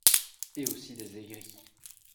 Et aussi des aigris